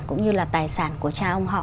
cũng như là tài sản của cha ông họ